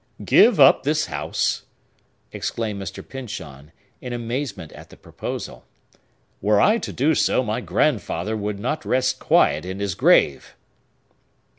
"Give up this house!" exclaimed Mr. Pyncheon, in amazement at the proposal. "Were I to do so, my grandfather would not rest quiet in his grave!"